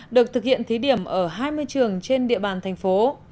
được thực hiện thí điểm ở hai mươi trường trên địa bàn thành phố